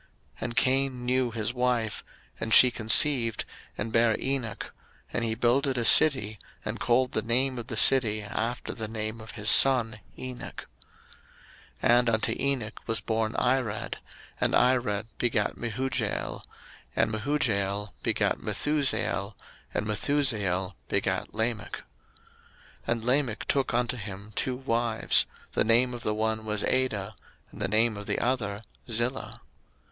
01:004:017 And Cain knew his wife; and she conceived, and bare Enoch: and he builded a city, and called the name of the city, after the name of his son, Enoch. 01:004:018 And unto Enoch was born Irad: and Irad begat Mehujael: and Mehujael begat Methusael: and Methusael begat Lamech. 01:004:019 And Lamech took unto him two wives: the name of the one was Adah, and the name of the other Zillah.